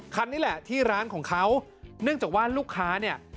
คันนี้แหละที่ร้านของเขาเนื่องจากว่าลูกค้าเนี่ย